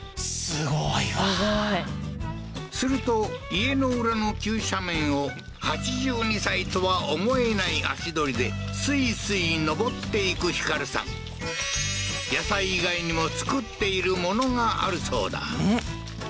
すごいわすごいすると家の裏の急斜面を８２歳とは思えない足取りでスイスイ上っていく光さん野菜以外にも作っている物があるそうだ